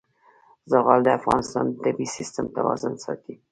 زغال د افغانستان د طبعي سیسټم توازن ساتي.